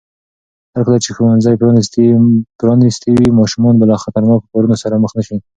هرکله چې ښوونځي پرانیستي وي، ماشومان به له خطرناکو کارونو سره مخ نه شي.